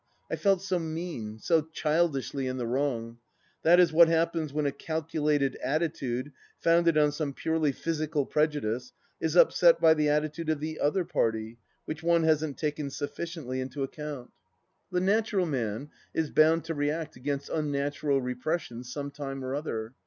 I felt so mean, so childishly in the wrong. That is what happens when a calculated attitude, foimded on some purely physical prejudice, is upset by the attitude of the other party, which one hasn't taken sufficiently into account. THE LAST DITCH 281 The natural man is bound to react against unnatural re pressions some time or other.